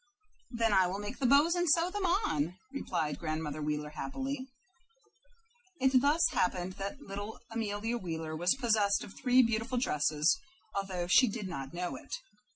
"Then I will make the bows, and sew them on," replied Grandmother Wheeler, happily. It thus happened that little Amelia Wheeler was possessed of three beautiful dresses, although she did not know it.